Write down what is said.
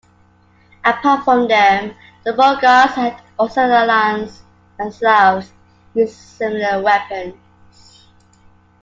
Apart from them, the Bulgars and also the Alans and Slavs used similar weapons.